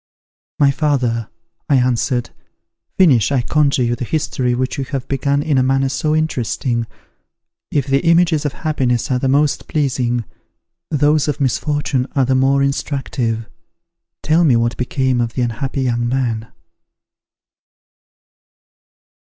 "My father," I answered, "finish, I conjure you, the history which you have begun in a manner so interesting. If the images of happiness are the most pleasing, those of misfortune are the more instructive. Tell me what became of the unhappy young man."